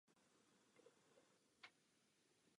Rozsah farnosti nelze stanovit s jistotou.